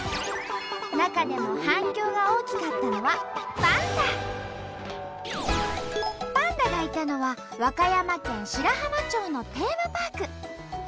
中でも反響が大きかったのはパンダがいたのは和歌山県白浜町のテーマパーク。